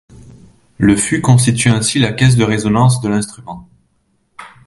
Le fût constitue ainsi la caisse de résonance de l'instrument.